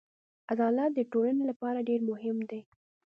عدالت د ټولنې لپاره ډېر مهم دی.